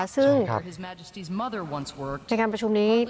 ซึ่งในการประชุมนี้